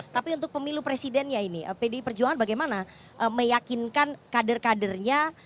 tapi untuk pemilu presidennya ini pdi perjuangan bagaimana meyakinkan kader kadernya